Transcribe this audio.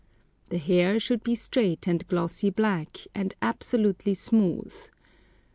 The hair should be straight and glossy black, and absolutely smooth.